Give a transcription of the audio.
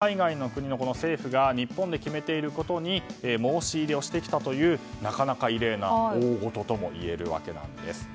なので海外の国の政府が日本で決めていることに申し入れをしてきたというなかなか異例な大ごとともいえるわけです。